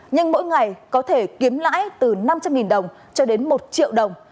nhưng mỗi ngày có thể kiếm lãi từ năm trăm linh đồng cho đến một triệu đồng